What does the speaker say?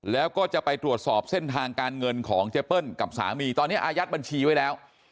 แล้วก็จะไปตรวจสอบเส้นทางการเงินของเจเปิ้ลกับสามีตอนนี้อายัดบัญชีไว้แล้ว